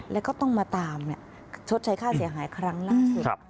แล้วก็ต้องมาตามชดใช้ค่าเสียหายครั้งล่าสุด